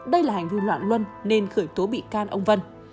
đây là hành vi loạn luân nên khởi tố bị can ông vân